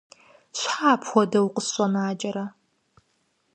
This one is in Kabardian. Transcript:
Щхьэ апхуэдэкӀэ укъысщӀэнакӀэрэ?